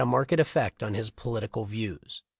marked effect on his political views.